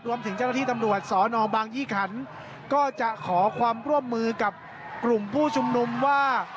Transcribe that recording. เจ้าหน้าที่ตำรวจสอนอบางยี่ขันก็จะขอความร่วมมือกับกลุ่มผู้ชุมนุมว่า